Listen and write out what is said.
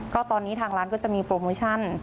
ก็ตอนนี้ทางร้านก็จะมีโปรโมชั่น